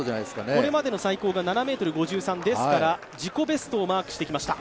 これまでの最高が７ｍ５３ですから、自己ベストをマークしてきました。